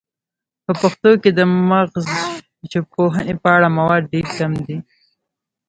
په پښتو کې د مغزژبپوهنې په اړه مواد ډیر کم دي